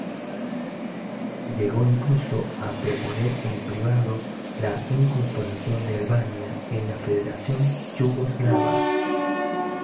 Llegó incluso a proponer en privado la incorporación de Albania en la federación yugoslava.